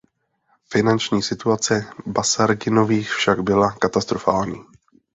Finanční situace Basarginových však byla katastrofální.